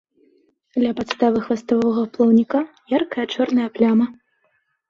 Ля падставы хваставога плаўніка яркая чорная пляма.